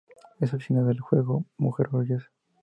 Es aficionada al juego, mujer orgullosa.